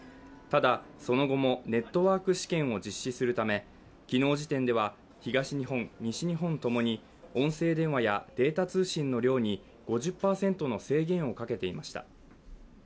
ただ、その後もネットワーク試験を実施するため昨日時点では東日本、西日本ともに音声電話やデータ通信の量に５０％の制限をかけていました。